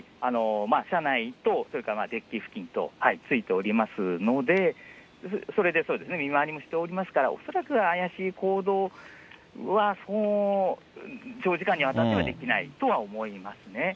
車内と、それからデッキ付近とついておりますので、それで見回りもしておりますから、恐らく怪しい行動は、そう長時間にわたってはできないと思いますね。